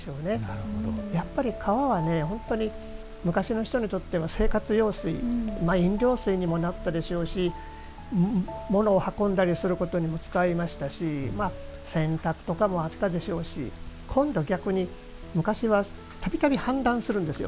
やっぱり川はね昔の人にとっては生活用水飲料水にもなったでしょうし物を運んだりすることにも使いましたし洗濯とかもあったでしょうし今度は逆に昔はたびたび氾濫するんですよ